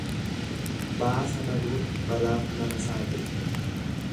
Baasa baduun balaaf nama saaxila.